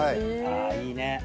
あいいね。